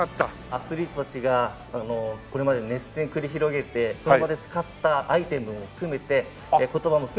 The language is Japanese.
アスリートたちがこれまで熱戦を繰り広げてその場で使ったアイテムを含めて言葉も含めて展示してます。